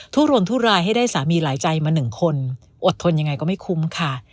ุรนทุรายให้ได้สามีหลายใจมาหนึ่งคนอดทนยังไงก็ไม่คุ้มค่ะ